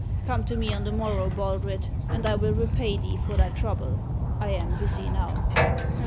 Come to me on the morrow, Baldred, and I will repay thee for thy trouble. I am busy now."